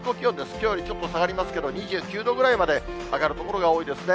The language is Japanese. きょうよりちょっと下がりますけれども、２９度ぐらいまで上がる所が多いですね。